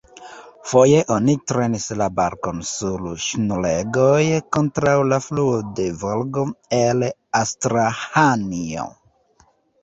Foje oni trenis barkon sur ŝnuregoj kontraŭ la fluo de Volgo, el Astraĥanjo.